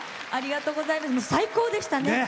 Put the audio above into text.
最高でしたね。